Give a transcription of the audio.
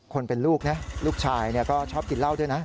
คนเป็นลูกนะลูกชายก็ชอบกินเหล้าด้วยนะ